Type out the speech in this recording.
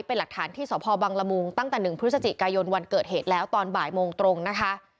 เป็นหลักฐานที่สพบังละมุงตั้งแต่๑พฤศจิกายนวันเกิดเหตุแล้วตอนบ่ายโมงตรงนะคะ